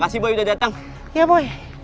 ya ini udah gak mohon pun